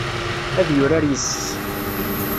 Ad yurar yis-s.